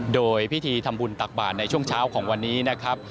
โดยพิธีทำบุญตักบาทในช่วงเช้าของวันนี้นะครับ